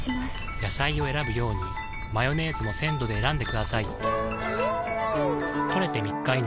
野菜を選ぶようにマヨネーズも鮮度で選んでくださいん！